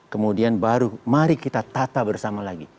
kemudian baru mari kita tata bersama lagi